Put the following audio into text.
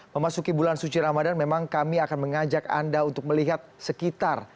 memasuki bulan suci ramadan memang kami akan mengajak anda untuk melihat sekitar